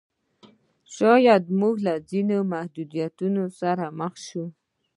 شاید موږ له ځینو محدودیتونو سره مخ شو.